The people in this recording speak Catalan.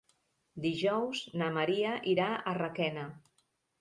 Dijous na Maria irà a Requena.